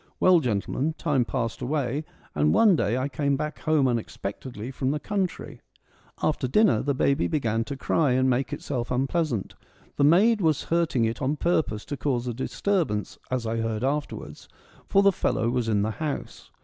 Well, gentlemen, time passed away, and one day I came back home unexpectedly from the country. 196 FEMINISM IN GREEK LITERATURE After dinner the baby began to cry and make itself unpleasant : the maid was hurting it on purpose to cause a disturbance, as I heard afterwards, for the fellow was in the house.